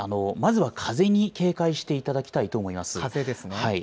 そうですね、まずは風に警戒していただきたいと思います。